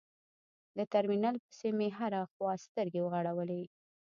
د ترمینل پسې مې هره خوا سترګې وغړولې.